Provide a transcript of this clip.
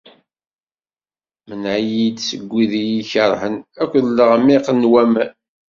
Mneɛ-iyi seg wid i iyi-ikerhen akked leɣmiq n waman.